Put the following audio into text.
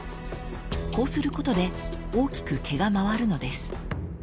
［こうすることで大きく毛が回るのです］